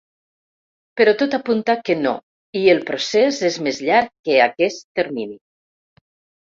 Però tot apunta que no i el procés és més llarg que aquest termini.